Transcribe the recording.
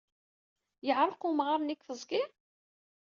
Yeɛreq wemɣar-nni deg teẓgi?